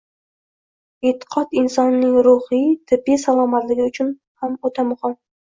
E’tiqod insonning ruhiy, tibbiy salomatligi uchun ham o‘ta muhim.